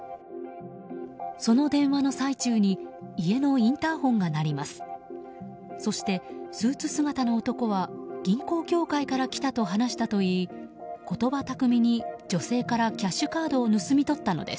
その電話の最中に家のインターホンが鳴ります。